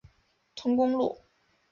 通公路。